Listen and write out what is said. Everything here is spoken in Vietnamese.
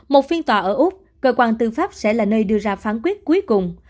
một phiên tòa ở úc cơ quan tư pháp sẽ là nơi đưa ra phán quyết cuối cùng